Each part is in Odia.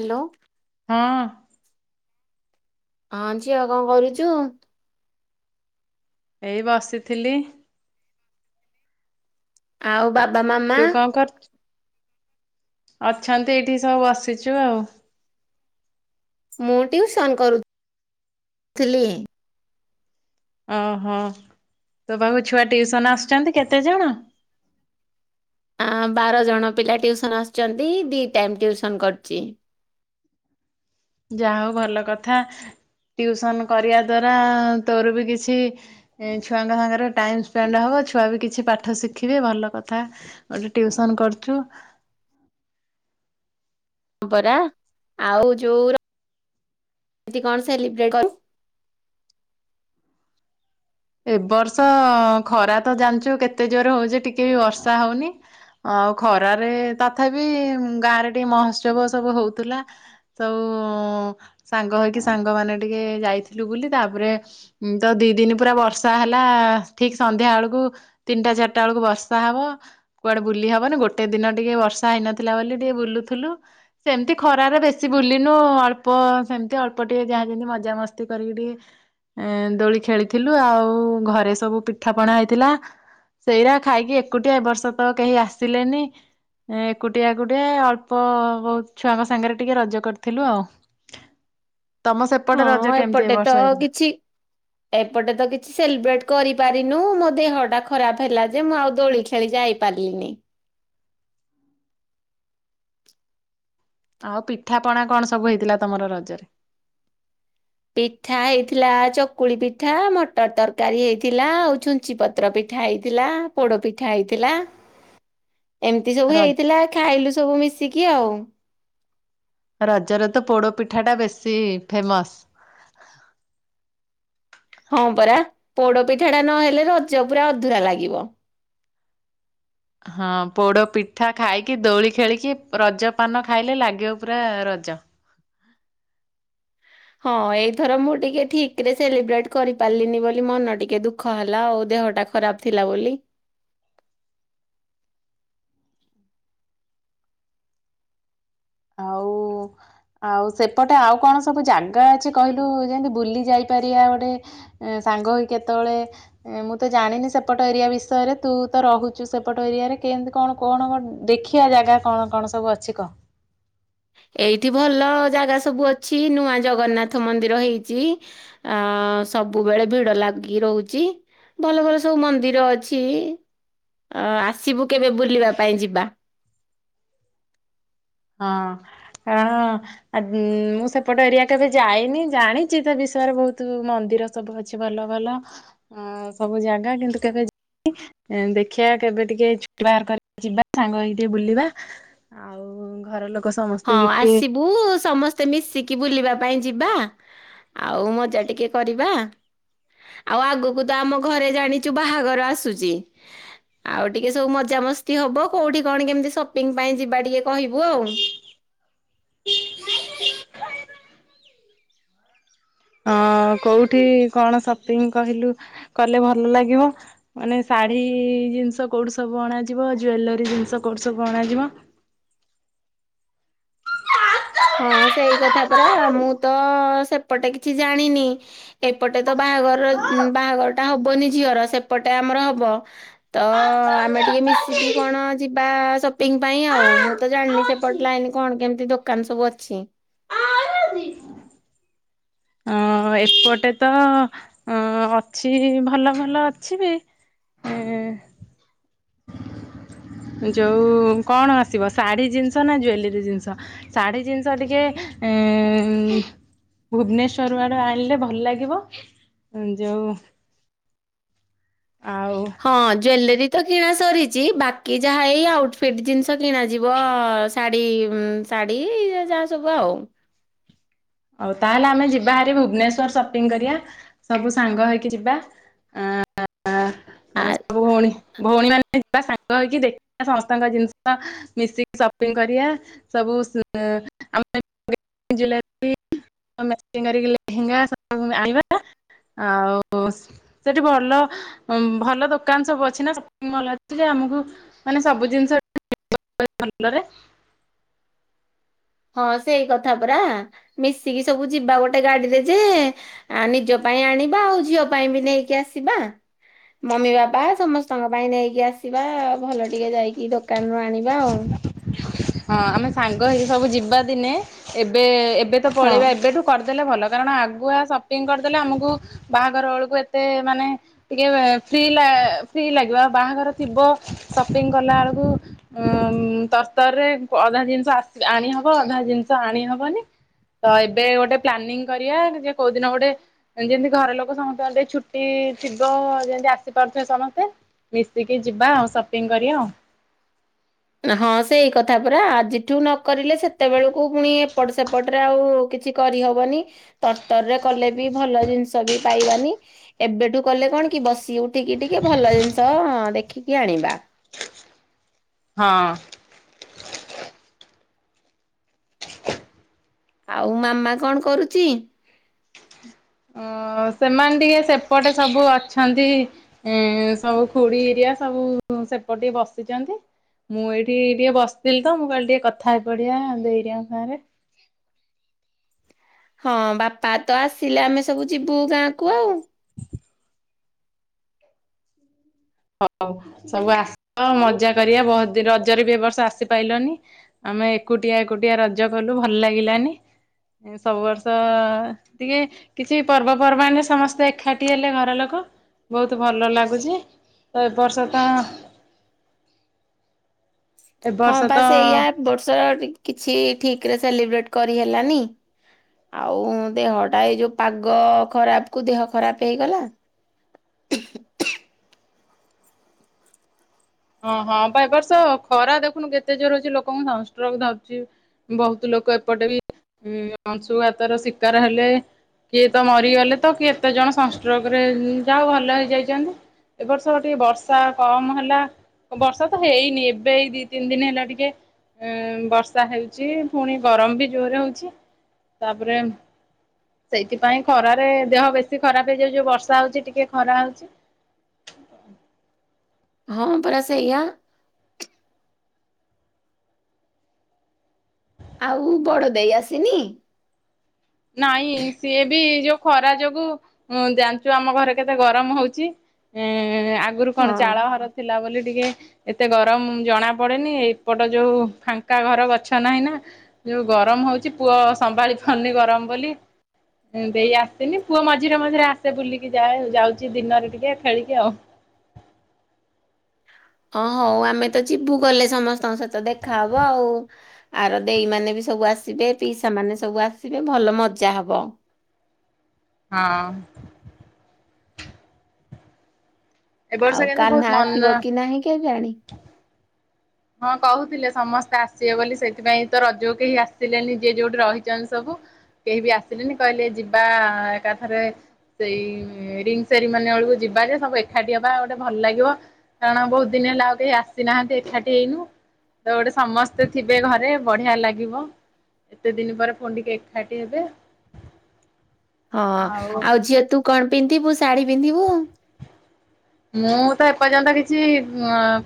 ହ୍ୟାଲୋ ହଁ। ହଁ ଝିଅ କଣ କରୁଛୁ? ଏଇ ବସିଥିଲି। ଆଉ ବାବା ମାମା ତୁ କଣ କରଛୁ? ଅଛନ୍ତି ଏଇଠି ସବୁ ବସିଛୁ ଆଉ। ମୁଁ ଟିଉସନ୍ କରୁଥିଲି। ଅହୋ ତ ପାଖକୁ ଛୁଆ ଟିଉସନ୍ ଆସୁଛନ୍ତି କେତେ ଜଣ? ଆ ବାରଜଣ ପିଲା ଟିଉସନ୍ ଆସୁଛନ୍ତି ଦି ଟାଇମ୍ ଟିଉସନ୍ କରୁଛି। ଯାହା ହଉ ଭଲ କଥା ଟ୍ୟୁଉସନ୍ କରିବା ଦ୍ଵାରା ତୋର ବି କିଛି ଏ ଛୁଆଙ୍କ ସାଙ୍ଗରେ ଟାଇମ୍ ସ୍ପେଣ୍ଡ ହେବ ଛୁଆ ବି କିଛି ପାଠ ଶିଖିବେ ଭଲ କଥା। ଟିଉସନ୍ କରୁଛୁ। ମ୍ପରା ଆଉ ଯୋଉ କଣିବଟ [inaudible] ଏ ବର୍ଷ ଖରା ତ ଜାଣିଛୁ କେତେ ଜୋର ହଉଚି ଟିକେ ବି ବର୍ଷା ହଉନି। ଆଉ ଖରାରେ ତଥାପି ଗାଁରେ ଟିକେ ମହୋତ୍ସବ ସବୁ ହଉଥିଲା। ସବୁ ସାଙ୍ଗ ହେଇକି ସାଙ୍ଗମାନେ ଟିକେ ଯାଇଥିଲୁ ବୁଲି ତାପରେ ହୁଁ ତ ଦି ଦିନ ପୁରା ବର୍ଷା ହେଲା ଠିକ୍ ସନ୍ଧ୍ୟା ବେଳକୁ ତିନିଟା ଚାରିଟା ବେଳକୁ ବର୍ଷା ହବ। କୁଆଡ଼େ ବୁଲି ହବନି ଗୋଟେ ଦିନ ଟିକେ ବର୍ଷା ହେଇନଥିଲା ବୋଲି ଟିକେ ବୁଲୁଥିଲୁ। ସେମିତି ଖରାରେ ବେଶୀ ବୁଲିନୁ ଅଳ୍ପ ସେମତି ଅଳ୍ପ ଟିକେ ଯାହା ଯେମିତି ମଜାମସ୍ତି କରିକି ଟିକେ ଦୋଳି ଖେଳିଥିଲୁ ଆଉ ଘରେ ସବୁ ପିଠା ପଣା ହେଇଥିଲା। ସେଇଟା ଖାଇକି ଏକୁଟିଆ ଏ ବର୍ଷ ତ କେହି ଆସିଲେନି। ମୁଁ ଏକୁଟିଆ ଏକୁଟିଏ ଅଳ୍ପ ବହୁତ୍ ଛୁଆଙ୍କ ସାଙ୍ଗରେ ଟିକେ ରଜ କରିଥିଲୁ ଆଉ। ତମ ସେପଟେ ରଜ ହଁ କେମିତି ଏ ଏପଟେ ବର୍ଷ ତ ହେଇଥିଲା? କିଛି ଏପଟେ ତ କିଛି ସେଲିବ୍ରେଟ୍ କରିପାରିନୁ ମୋ ଦେହଟା ଖରାପ ହେଲା ଯେ ମୁଁ ଆଉ ଦୋଳି ଖେଳି ଯାଇି ପାରିଲିନି। ଆଉ ପିଠାପଣା କଣ ସବୁ ହେଇଥିଲା ତମର ରଜରେ? ପିଠା ହେଇଥିଲା ଚକୁଳି ପିଠା ମଟର ତରକାରୀ ହେଇଥିଲା ଆଉ ଛୁଞ୍ଚି ପ ପତ୍ର ପିଠା ହେଇଥିଲା ପୋଡ଼ ପିଠା ହେଇଥିଲା। ଏମିତି ସବୁ ର ହେଇଥିଲା ଖାଇଲୁ ସବୁ ମିଶିକି ଆଉ। ରଜରେତ ପୋଡ଼ ପିଠାଟା ବେଶୀ ଫେମସ୍। ହଁ ପରା ପୋଡ଼ ପିଠା ଟା ନହେଲେ ରଜ ପୁରା ଅଧୁରା ଲାଗିବ। ହଁ ପୋଡ଼ ପିଠା ଖାଇକି ଦୋଳି ଖେଳିକି ରଜ ପାନ ଖାଇଲେ ଲାଗିବ ପୁରା ରଜ। ହଁ ଏଇଥର ମୁଁ ଟିକେ ଠିକ୍ ରେ ସେଲିବ୍ରେଟ୍ କରିପାରିଲିନି ବୋଲି ମନ ଟିକେ ଦୁଃଖ ହେଲା ଆଉ ଦେହଟା। ଖରାପ୍ ଥିଲା ବୋଲି। ଆଉ [inaudible] ଆଉ ସେପଟେ ଆଉ କଣ ସବୁ ଜାଗା ଅଛି କହିଲୁ ଯେମିତି ବୁଲି ଯାଇପାରିବା ଗୋଟେ ଏଁ ସାଙ୍ଗ ହେଇ କେତବେଳେ ମୁଁ ତ ଜାଣିନି ସେପଟ ଏରିଆ ବିଷୟରେ ତୁ ତ ରହୁଛୁ ସେପଟ ଏରିଆରେ କେମତି କଣ କଣ କଣ। ଦେଖିବା ଜାଗା କଣ କଣ ସବୁ ଅଛି କହ। ଏଇଠି ଭଲ ଜାଗା ସବୁ ଅଛି ନୂଆ ଜଗନ୍ନାଥ ମନ୍ଦିର ହେଇଛି। ଆଁ ସବୁବେଳେ ଭିଡ଼ ଲାଗିକି ରହୁଛି। ଭଲ ଭଲ ସବୁ ମନ୍ଦିର ଅଛି ଅ ଆସିବୁ କେବେ ବୁଲିବା ପାଇଁ ଯିବା। ହଁ କାରଣ ଆଜି ମୁଁ ସେପଟ ଏରିଆ କେବେ ଯାଇନି ଜାଣିଛି ତା ବିଷୟରେ ବହୁତ ମନ୍ଦିର ସବୁ ଅଛି ଭଲ ଭଲ ଅ ସବୁ ଜାଗା କିନ୍ତୁ କେବେ ଯା ଉଁ ଦେଖିବା କେବେ ଟିକେ ଛୁଟି ବାହାର କରି ଯିବା ସାଙ୍ଗ ହେଇ ଟିକେ ବୁଲିବା ଆଉ ଘର ଲୋକ ସ ହଁ ଆସିବୁ ସମ ସ୍ତେ ମିଶିକି ବୁଲିବା ପାଇଁ ଯିବା ଆଉ ମଜା ଟିକେ କରିବା। ଆଉ ଆଗୁକୁ ତ ଆମ ଘରେ ଜାଣିଛୁ ବାହାଘର ଆସୁଚି ଆଉ ଟିକେ ସବୁ ମଜାମସ୍ତି ହବ କୋଉଠି କଣ କେମିତି ସପିଙ୍ଗ୍ ପାଇଁ ଯିବା ଟିକେ କହିବୁ ଆଉ। [inaudible] [inaudible] ହଁ କୋଉଠି କଣ ସପିଙ୍ଗ କହିଲୁ କଲେ ଭଲ ଲାଗିବ? ମାନେ ଶାଢୀ ଜିନିଷ କୋଉଠୁ ସବୁ ଅଣାଯିବ ଜୁଏଲରୀ ଜିନିଷ କୋଉଠୁ ସବୁ ଅଣାଯିବ? ହଁ ସେଇ କଥା ପରା ମୁଁ ତ ସେପଟେ କିଛି ଜାଣିନି। ଏପଟେ ତ ବାହାଘର ବାହାଘର ଟା ହବନି ଝିଅର ସେପଟେ ଆମର ହବ। ତ ଆମେ ଟିକେ ମିଶିକି କଣ ଯିବା ସପିଙ୍ଗ୍ ପାଇଁ ଆଉ ମୁଁ ମୁଁ ତ ଜାଣିନି ସେପଟ ଲାଇନ୍ କଣ କେମିତି ଦୋକାନ ସବୁ ଅଛି। ହଁ ଏପଟେ ତ ଅ ଅଛି ଭଲ ଭଲ ଅଛି ବି। ହୁଁ। [inaudible] ଯୋଉ କଣ ଆସିବ ଶାଢ଼ୀ ଜିନିଷ ନା ଜୁଏଲରୀ ଜିନିଷ? ଶାଢୀ ଜିନିଷ ଟିକେ ଉଁ ଭୁବନେଶ୍ଵର ଆଡୁ ଆଣିଲେ ଭଲ ଲାଗିବ ଯୋଉ ଆଉ? ହଁ ଜୁଏଲେରୀ ତ କିଣା ସରିଛି ବାକି ଯାହା ଏଇ ଆଉଟଫିଟ୍ ଜିନିଷ କିଣାଯିବ ସ ଶାଢ଼ୀ ଉଁ ଶାଢ଼ୀ ଯାହା ସବୁ ଆଉ। ଅଉ ତାହେଲେ ଆମେ ଯିବାହାରି ଭୁବନେଶ୍ଵର ସପିଙ୍ଗ୍ କରିବା ସବୁ ସାଙ୍ଗ ହେଇକି ଯିବା ଅଁ ଆ, ଅଁ ସବୁ ଭଉଣୀ ଭଉଣୀ ମାନେ ଯିବା ସାଙ୍ଗ ହେଇକି ଦେଖିବା ସମସ୍ତଙ୍କ ଜିନିଷ ମିଶିକି ସପିଙ୍ଗ୍ କରିବା। ସବୁ [unintelligible] ମ୍ୟାଚିଙ୍ଗ କରିକି ଲେହେଙ୍ଗା ସବୁ ଆଣିବା ଆଉ ସି ସେଠି ଭଲ ଭଲ ଦୋକାନ ସବୁ ଅଛି ନା ସପିଙ୍ଗ ମଲ୍ ଅଛି ସେ ଆମକୁ ମାନେ ସବୁ ଜିନିଷ [unintelligible] ଭଲରେ। ହଁ ସେଇ କଥା ପରା ମିଶିକି ସବୁ ଯିବା ଗୋଟେ ଗାଡିରେ ଯେ ଆ ନିଜ ପାଇଁ ଆଣିବା ଆଉ ଝିଅ ପାଇଁ ବି ନେଇକି ଆସିବା। ମମି ବାବା ସମସ୍ତଙ୍କ ପାଇଁ ନେଇକି ଆସିବା ଭଲ ଟିକେ ଯାଇକି ଦୋକାନ ରୁ ଆଣି ବା ଆଉ। ହଁ ଆମେ ସାଙ୍ଗ ହେଇକି ସବୁ ଯିବା ଦିନେ ଏବେ ଏବେ ତ ହଁ ପଳେଇବା ଏବେଠୁ କରିଦେଲେ ଭଲ କାରଣ ଆଗୁଆ ସପିଙ୍ଗ କରିଦେଲେ ଆମକୁ ବାହାଘର ବେଳକୁ ଏତେ ମାନେ ଟିକେ ଫ୍ରି ଲା ଫ୍ରିଲାଗିବ ଆଉ ବାହାଘର ଥିବ ସପିଙ୍ଗ କଲା ବେଳକୁ ଉଁ ତରତର ରେ ପ ଅଧା ଜିନିଷ ଆସି ଆଣି ହବ ଅଧା ଜିନିଷ ଆଣି ହବନି। ତ ଏବେ ଗୋଟେ ପ୍ଲାନିଂ କରିବା ଯେ କୋଉଦିନ ଗୋଟେ ଯେମିତି ଘର ଲୋକ ସମସ୍ତଙ୍କର ଛୁଟି ଥିବ ଯେମିତି ଆସି ପାରୁଥିବେ ସମସ୍ତେ। ମିଶିକି ଯିବା ଆଉ ସପିଙ୍ଗ କରିବା ଆଉ। ହଁ ସେଇ କଥା ପରା ଆଜିଠୁ ନକରିଲେ ସେତେବେଳକୁ ପୁଣି ଏପଟ ସେପଟରେ ଆଉ କିଛି କରିହବନି ତରତର ରେ କଲେ ବି ଭଲ ଜିନିଷ ବି ପାଇବାନି। ଏବେଠୁ କଲେ କଣ କି ବସି ଉଠିକି ଟିକେ ଭଲ ଜିନିଷ ଦେଖିକି ଆଣିବା। ହଁ। ଆଉ ମାମା କଣ କରୁଚି? ଓ ସେମାନେ ଟିକେ ସେପଟେ ସବୁ ଅଛନ୍ତି। ଏଁ ସବୁ ଖୁଡି ଏରିଆ ସବୁ ସେପଟେ ଟିକେ ବସିଛନ୍ତି। ମୁଁ ଏଇଠି ଟିକେ ବସିଥିଲି ତ ମୁଁ କାଲି ଟିକେ କଥା ହେଇ ପଡିଆ ଦେଇ ହେରିଆଙ୍କ ସାଙ୍ଗ ରେ। ହଁ ବାପା ତ ଆସିଲେ ଆମେ ସବୁ ଯିବୁ ଗାଁ କୁ ଆଉ। ହଉ ସବୁ ଆସ ମଜା କରିବା ବହୁତ ଦିନ ରଜରେ ବି ଏବ ବର୍ଷ ଆସିପାଇଲନି। ଆମେ ଏକୁଟିଆ ଏକୁଟିଆ ରଜ କଲୁ ଭଲ ଲାଗିଲାନି। ସବୁ ବର୍ଷ ଟିକେ କିଛି ପର୍ବପର୍ବାଣିରେ ସମସ୍ତେ ଏକାଠି ହେଲେ ଘର ଲୋକ ବହୁତ ଭଲ ଲାଗୁଛି। ତ ଏ ବର୍ଷ ଟା ଏ ହଁ ବର୍ଷ ବା ତ ସେଇଆ ଏ ବର୍ଷ କିଛି ଠିକ ରେ ସେଲିବ୍ରେଟ କରିହେଲାନି। ଆଉ ଦେହଟା ଏଇ ଯୋଉ ପାଗ ଖରାପ କୁ ଦେହ ଖରାପ ହେଇଗଲା। [unintelligible] ହଁ ହଁ ବା ଏ ବର୍ଷ ଖରା ଦେଖୁନୁ କେତେ ଜୋର ଅଛି ଲୋକଙ୍କୁ ସଂଷ୍ଟ୍ରୋକ ଧରୁଛି। ବହୁତ ଲୋକ ଏପଟେ ବି ଅଂଶୁଘାତାର ଶିକାର ହେଲେ। କିଏ ତ ମରିଗଲେ ତ କେତେ ଜଣ ସଂଷ୍ଟ୍ରୋକରେ ଯାହଉ ଭଲ ହେଇଯାଇଛନ୍ତି। ଏବ ବର୍ଷ ଟିକେ ବର୍ଷା କମ ହେଲା। ବର୍ଷା ତ ହେଇନି ଏବେ ଏଇ ଦି ତିନି ଦିନ ହେଲା ଟିକେ ଉଁ ବର୍ଷା ହେଉଛି ପୁଣି ଗରମ ବି ଜୋରେ ହଉଛି ତାପରେ ସେଇଥିପାଇଁ ଖରାରେ ଦେହ ବେଶୀ ଖରାପ ହେଇଯାଉଚି ଯୋଉ ବର୍ଷା ହଉଛି ଟିକେ ଖରା ହଉଛି। ହଁ ପରା ସେଇଆ। ଆଉ ବଡ ଦେଇ ଆସିନି? ନାଇଁ ସିଏ ବି ଯୋଉ ଖରା ଯୋଗୁ ଜାଣିଛୁ ଆମ ଘରେ କେତେ ଗରମ ହଉଛି। ଉଁ ଆଗରୁ କଣ ହଁ ଚାଳ ଘର ଥିଲା ବୋଲି ଟିକେ ଏତେ ଗରମ ଜଣା ପଡେନି ଏପଟ ଯୋଉ ଫାଙ୍କା ଘର ଗଛ ନାହିଁ ନା। ଯୋଉ ଗରମ ହଉଛି ପୁଅ ସମ୍ଭାଳି ପାରୁନି ଗରମ ବୋଲି ଦେଇ ଆସିନି ପୁଅ ମଝିରେ ମଝିରେ ଆସେ ବୁଲିକି ଯାଏ ଯାଉଛି ଦିନରେ ଟିକେ ଖେଳିକି ଆଉ। ହଁ ହଉ ଆମେ ତ ଯିବୁ ଗଲେ ସମସ୍ତଙ୍କ ସହିତ ଦେଖାହବ ଆଉ। ଆର ଦେଇ ମାନେ ବି ସବୁ ଆସିବେ ପିଇସା ମାନେ ସବୁ ଆସିବେ ଭଲ ମଜା ହବ। ହଁ। ଏ ବର୍ଷ ଆଉ କିନ୍ତୁ ବହୁତ କାହ୍ନା ଆସିବ ମନ କି ନାହିଁ କେଜାଣି। ହଁ କହୁଥିଲେ ସମସ୍ତେ ଆସିବେ ବୋଲି ସେଇଥିପାଇଁ ତ ରଜ କେହି ଆସିଲେନି ଯିଏ ଯୋଉଠି ରହିଛନ୍ତି ସବୁ। କେହି ବି ଆସିଲେନି କହିଲେ ଯିବା ଏକାଥରେ ସେଇ ରିଙ୍ଗ ସେରିମନି ବେଳକୁ ଯିବା ଯେ ସବୁ ଏକାଠି ହବା ଗୋଟେ ଭଲ ଲାଗିବ। କାରଣ ବହୁତ ଦିନ ହେଲା ଆଉ କେହି ଆସିନାହାନ୍ତି ଏକାଠି ହେଇନୁ ତ ଗୋଟେ ସମସ୍ତେ ଥିବେ ଘରେ ବଢିଆ ଲାଗିବ। ଏତେ ଦିନ ପରେ ଫୁଣି ଟିକେ ଏକାଠି ହେବେ ହଁ ଆଉ ଝିଅ ତୁ କଣ ପିନ୍ଧିବୁ ଶାଢୀ ପିନ୍ଧିବୁ। ମୁଁ ତ ଏପର୍ଯ୍ୟନ୍ତ କିଛି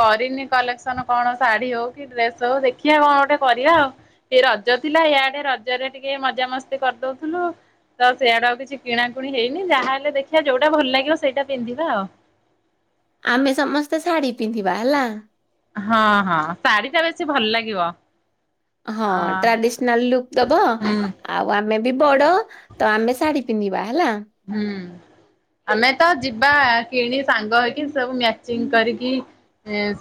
କରିନି କଲେକ୍ସନ କଣ ଶାଢୀ ହଉ କି ଡ୍ରେସ ହଉ ଦେଖିଆ କଣ ଗୋଟେ କରିବା ଆଉ। ସେ ରଜ ଥିଲା ଇଆଡେ ରଜରେ ଟିକେ ମଜା ମସ୍ତି କରିଦଉଥିଲୁ। ତ ସିଆଡେ ଆଉ କିଛି କିଣାକୁଣି ହେଇନି ଯାହାହେଲେ ଦେଖିବା ଯୋଉଟା ଭଲ ଲାଗିବ ସେଇଟା ପିନ୍ଧିବା ଆଉ। ଆମେ ସମସ୍ତେ ଶାଢ଼ୀ ପିନ୍ଧିବା ହେଲା। ହଁ ହଁ ଶାଢୀ ଟା ବେଶୀ ଭଲ ଲାଗିବ। ହଁ ଅ ଟ୍ରାଡିସନାଲ ଲୁକ୍ ଦବ ହୁଁ ଆଉ ଆମେ ବି ବଡ ତ ଆମେ ଶାଢ଼ୀ ପିନ୍ଧିବା ହେଲା ହୁଁ ଆମେ ତ ଯିବା କିଣି ସାଙ୍ଗ ହେଇକି ସବୁ ମ୍ୟାଚିଂ କରିକି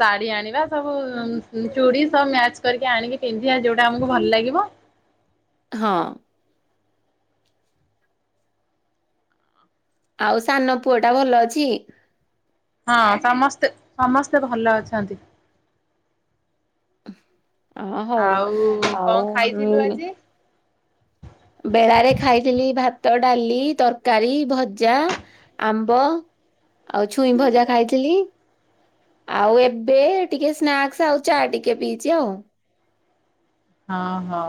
ଶାଢୀ ଆଣିବା ସବୁ ଚୁଡ଼ି ସବୁ ମ୍ୟାଚ କରିକି ଆଣିକି ପିନ୍ଧିବା ଯୋଉଟା ଆମକୁ ଭଲ ଲାଗିବ। ହଁ। ଆଉ ସାନ ପୁଅ ଟା ଭଲ ଅଛି? ହଁ ସମସ୍ତେ ସମସ୍ତେ ଭଲ ଅଛନ୍ତି। ଅ ହଉ ଆଉ କଣ ଆଉ ଖାଇଥିଲୁ ଆଜି? ବେଳାରେ ଖାଇଥିଲି ଭାତ, ଡାଲି, ତରକାରୀ, ଭଜା ଆମ୍ବ ଆଉ ଛୁଇଁ ଭଜା ଖାଇଥିଲି। ଆଉ ଏବେ ଟିକେ ସ୍ନାକ୍ସ ଆଉ ଚା ଟିକେ ପିଇଛି ଆଉ। ହଁ ହଁ।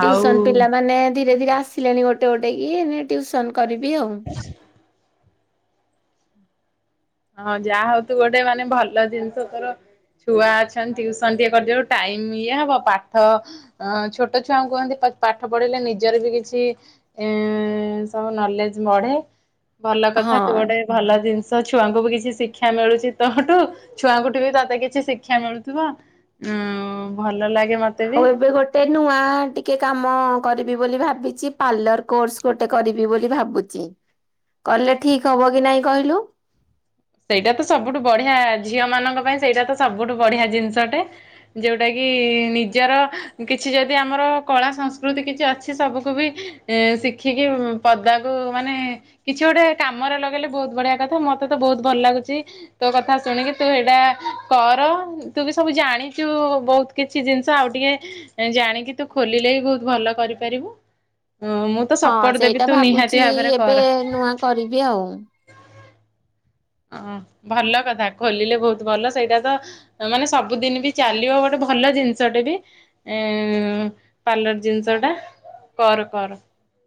ଆଉ ପିଲାମାନେ ଧୀରେ ଧୀରେ ଆସିଲେଣି ଗୋଟେ ଗୋଟେ ହେଇକି ଟ୍ୟଉସନ କରିବି ଆଉ। ହଁ ଯାହା ହଉ ତୁ ଗୋଟେ ମାନେ ଭଲ ଜିନିଷ ତୋର ଛୁଆ ଅଛନ୍ତି ଟିଉସନ ଟିକେ କରିଦେବାରୁ ଟାଇମ ଇଏ ହବ ପାଠ ଅ ଛୋଟ ଛୁଆଙ୍କୁ କୁହନ୍ତି ପା-ପାଠ ପଢିଲେ ନିଜର ବି କିଛି ଏ ସବୁ ନଲେଜ ବଢେ ଭଲ କଥା ହଁ। ତୁ ଗୋଟେ ଭଲ ଜିନିଷ ଛୁଆଙ୍କୁ ବି କିଛି ଶିକ୍ଷା ମିଳୁଛି ତୋଠୁ ଛୁଆଙ୍କୁଠୁ ବି ତତେ କିଛି ଶିକ୍ଷା ମିଳୁଥିବ। ଉଁ ଭଲ ଲାଗେ ମ ଆଉ ଏବେ ଗୋ ଟେ ନୂଆ ଟିକେ କାମ କରିବି ବୋଲି ଭାବିଛି ପାର୍ଲର କୋର୍ସ ଗୋଟେ କରିବି ବୋଲି ଭାବୁ ଚି କଲେ ଠିକ ହବ କି ନାଇଁ କହିଲୁ? ସେଇଟା ତ ସବୁଠୁ ବଢିଆ ଝିଅ ମାନଙ୍କ ପାଇଁ ସେଇଟା ତ ସବୁଠୁ ବଢିଆ ଜିନିଷଟେ। ଯୋଉଟା କିି ନିଜର କିଛି ଯଦି ଆମର କଳା ସଂସ୍କୃତି କିଛି ଅଛି ସବୁକୁ ବି ଏ ଶିଖିକି ପଦାକୁ ମାନେ କିଛି ଗୋଟେ କାମରେ ଲଗେଇଲେ ବହୁତ ବଢିଆ କଥା ମତେ ତ ବହୁତ ଭଲ ଲାଗୁଛି। ତୋ କଥା ଶୁଣିକି ତୁ ଏଇଟା କର ତୁ ବି ସବୁ ଜାଣିଛୁ ବହୁତ କିଛି ଜିନିଷ ଆଉ ଟିକେ ଜାଣିକି ତୁ ଖୋଲିଲେ ବି ବହୁତ ଭଲ କରିପାରିବୁ ମୁଁ ତ ହଁ ସପୋର୍ଟ ଦେବି ସେଇଟା ତୁ ଭାବୁଚି ନିହାତି ଭାବେରେ ଏବେ କର। ନୂଆ କରିବି ଆଉ। ହଁ ଭଲ କଥା ଖୋଲିଲେ ବହୁତ ଭଲ ସେଇଟା ତ ମାନେ ସବୁଦିନ ବି ଚାଲିବ ଗୋଟେ ଭଲ ଜିନିଷଟେ ବି। ଏ ପାର୍ଲର ଜିନିଷଟା କର କର।